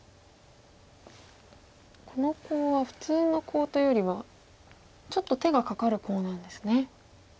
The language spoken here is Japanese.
このコウは普通のコウというよりはちょっと手がかかるコウなんですね。